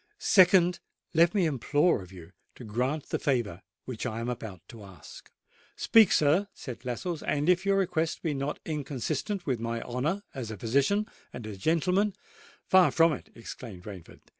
"Secondly, let me implore of you to grant the favour which I am about to ask." "Speak, sir," said Lascelles; "and if your request be not inconsistent with my honour as a physician and as a gentleman——" "Far from it!" exclaimed Rainford.